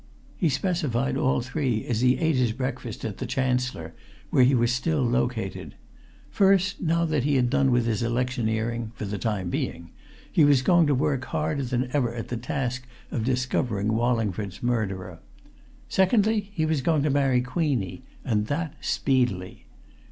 He specified all three as he ate his breakfast at the Chancellor, where he was still located. First, now that he had done with his electioneering for the time being he was going to work harder than ever at the task of discovering Wallingford's murderer. Secondly, he was going to marry Queenie, and that speedily.